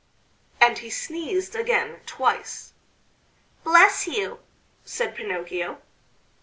and he sneezed again twice. "Bless you!" said Pinocchio.